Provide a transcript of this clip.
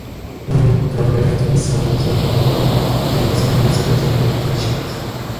Noel travelled with her mother who worked in numerous countries for the United Nations.